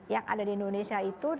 yang ada di indonesia itu